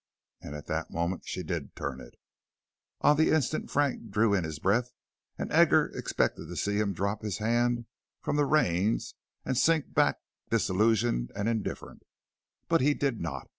And at that moment she did turn it. On the instant Frank drew in his breath and Edgar expected to see him drop his hand from the reins and sink back disillusionized and indifferent. But he did not.